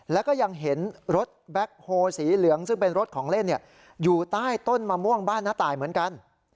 แล้วก็ยังเห็นรถแบ็คโฮสีเหลืองซึ่งเป็นรถของเล่นอยู่ใต้ต้นมะม่วงบ้านน้าตายเหมือนกัน